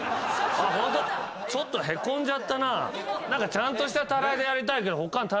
ちゃんとした盥でやりたいけど。